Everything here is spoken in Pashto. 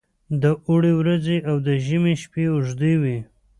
د اوړي ورځې او د ژمي شپې اوږې وي.